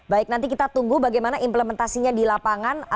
baik nanti kita tunggu bagaimana implementasinya di lapangan